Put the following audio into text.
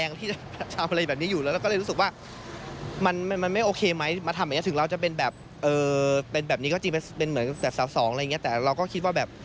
คุณผู้ชมเดี๋ยวฟังเสียงกันหน่อยนะคะ